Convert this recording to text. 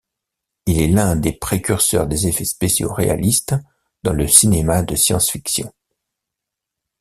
Il est l'un des précurseurs des effets spéciaux réalistes dans le cinéma de science-fiction.